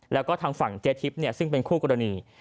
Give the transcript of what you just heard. แล้วก็ทางฝั่งเจ๊ทิพย์ซึ่งเป็นคู่กรณี